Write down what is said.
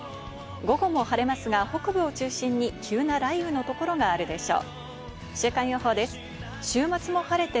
午後も晴れますが北部を中心に急な雷雨のところがあるでしょう。